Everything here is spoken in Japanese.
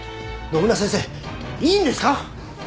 野村先生いいんですか？